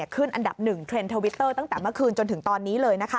ขึ้นอันดับ๑เทรนด์ทวิตเตอร์ตั้งแต่เมื่อคืนจนถึงตอนนี้เลย